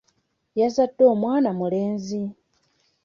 Yazadde omwana mulenzi.